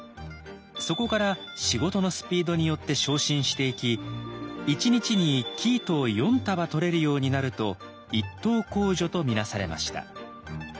そこから仕事のスピードによって昇進していき１日に生糸を４束とれるようになると一等工女と見なされました。